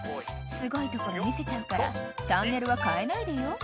［すごいところ見せちゃうからチャンネルは変えないでよ］